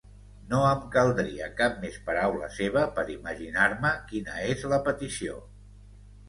No em caldria cap més paraula seva per imaginar-me quina és la petició.